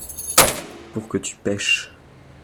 Pour que tu pêches.